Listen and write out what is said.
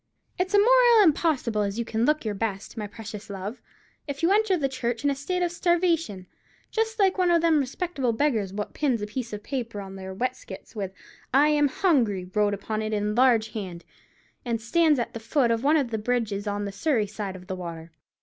It's a moriel impossible as you can look your best, my precious love, if you enter the church in a state of starvation, just like one of them respectable beggars wot pins a piece of paper on their weskits with 'I AM HUNGRY' wrote upon it in large hand, and stands at the foot of one of the bridges on the Surrey side of the water.